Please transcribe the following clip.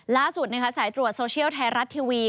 ล่าสุดสายตรวจโซเชียลไทยรัฐทีวี